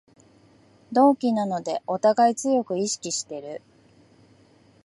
同期なのでおたがい強く意識してる